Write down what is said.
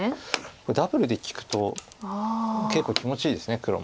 これダブルで利くと結構気持ちいいです黒も。